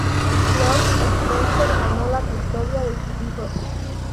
Lord Spencer ganó la custodia de sus hijos.